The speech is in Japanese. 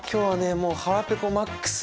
もう腹ぺこマックス。